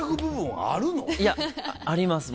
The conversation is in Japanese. いやあります